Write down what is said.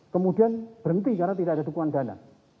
kemudian berhenti karena tidak ada dukungan dana